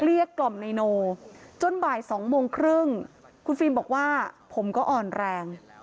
เกลี้ยกกล่อมนายโนจนบ่ายสองโมงครึ่งคุณฟิล์มบอกว่าผมก็อ่อนแรง